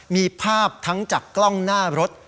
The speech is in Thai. มีภาพทั้งจากกล้องหน้ารถ